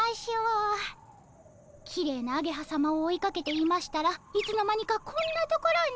きれいなアゲハさまを追いかけていましたらいつの間にかこんな所に。